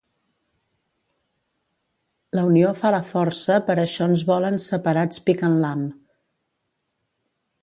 La unió fa la força per això ens volen separats picant l'ham